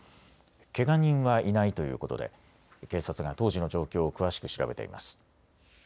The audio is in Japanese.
けが人はいないということで警察が当時の状況を詳しく調べています。